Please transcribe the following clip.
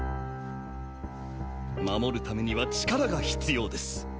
守るためには力が必要です。